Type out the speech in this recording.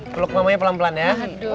peluk mamanya pelan pelan ya